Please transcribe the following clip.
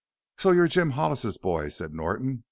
"So you're Jim Hollis's boy?" said Norton.